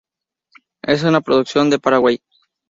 Es una producción de Paraguay.